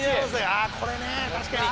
ああこれね確かに。